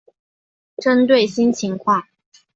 针对新情况